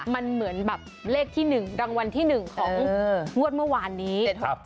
มันเหมือนแบบเลขที่๑รางวัลที่๑ของงวดเมื่อวานนี้